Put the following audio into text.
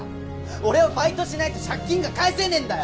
俺はバイトしないと借金が返せねえんだよ！